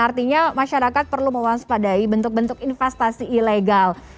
artinya masyarakat perlu mewaspadai bentuk bentuk investasi ilegal